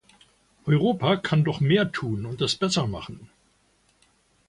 Europa kann doch mehr tun und es besser machen.